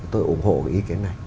tôi ủng hộ ý kiến này